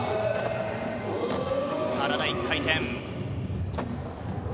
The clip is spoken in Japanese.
体１回転。